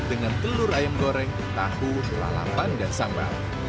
dengan telur ayam goreng tahu lalapan dan sambal